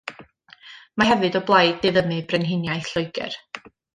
Mae hefyd o blaid diddymu Brenhiniaeth Lloegr.